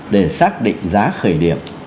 để xác định giá khởi điểm